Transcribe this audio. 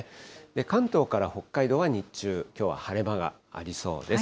関東から北海道は日中、きょうは晴れ間がありそうです。